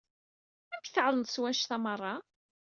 Amek tɛelmeḍ s wannect-a merra?